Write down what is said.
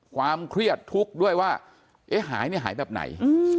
ความเครียดทุกข์ด้วยว่าเอ๊ะหายเนี่ยหายแบบไหน